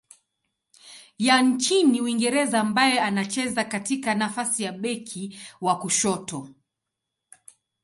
ya nchini Uingereza ambaye anacheza katika nafasi ya beki wa kushoto.